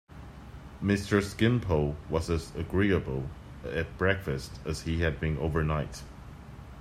Mr. Skimpole was as agreeable at breakfast as he had been overnight.